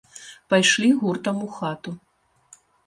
Пайшлі гуртам у хату.